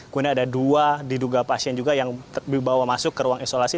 kemudian ada dua diduga pasien juga yang dibawa masuk ke ruang isolasi